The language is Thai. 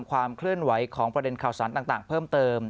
ความเคลื่อนไหวของประเด็นข่าวสารต่างเพิ่มเติม